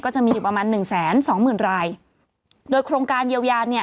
จะมีอยู่ประมาณหนึ่งแสนสองหมื่นรายโดยโครงการเยียวยาเนี่ย